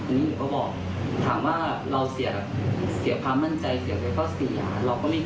อันนี้หนูก็บอกถามว่าเราเสียความมั่นใจเสียความเสีย